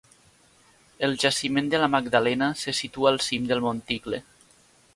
El jaciment de la Magdalena se situa al cim del monticle.